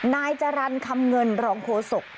นายจรรย์คำเงินรองโฆษก